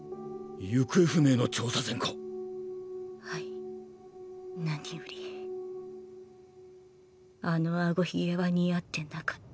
行方不明の調査船か⁉はい何よりあのアゴ鬚は似合ってなかった。